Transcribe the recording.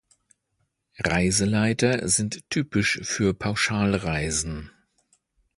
Reiseleiter sind typisch für Pauschalreisen.